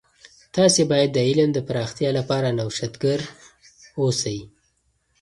تاسې باید د علم د پراختیا لپاره نوښتګر اوسئ.